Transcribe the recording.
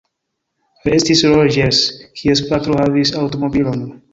Estis Roĝers, kies patro havis aŭtomobilon.